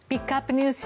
ＮＥＷＳ